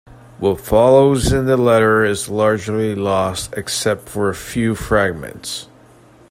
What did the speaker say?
What follows in the Letter is largely lost except for a few fragments.